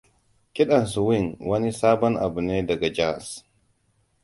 Kidan Swing wani sabon abu ne daga jazz.